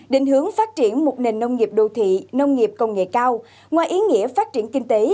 định hướng phát triển một nền nông nghiệp đô thị nông nghiệp công nghệ cao ngoài ý nghĩa phát triển kinh tế